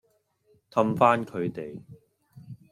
氹返佢哋